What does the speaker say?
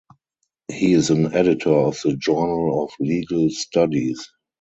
He is an editor of the "Journal of Legal Studies".